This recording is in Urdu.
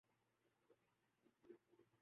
شاید یہی وجہ ہے کہ وہ تین فلمیں